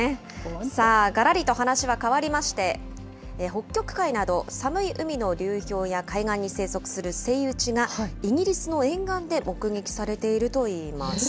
さあ、がらりと話は変わりまして、北極海など寒い海の流氷や海岸に生息するセイウチが、イギリスの沿岸で目撃されているといいます。